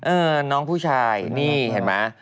น้องผู้ชายนี่เห็นไหม